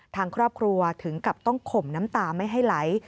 ทางครอบครัวถึงกับต้องข่มน้ำตาไม่ให้ไหล